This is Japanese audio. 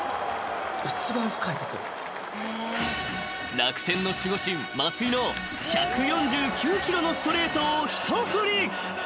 ［楽天の守護神松井の１４９キロのストレートを一振り］